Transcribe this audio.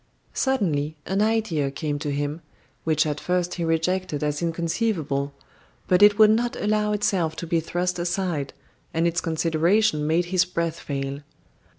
Suddenly an idea came to him, which at first he rejected as inconceivable; but it would not allow itself to be thrust aside, and its consideration made his breath fail.